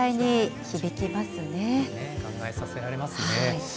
考えさせられますね。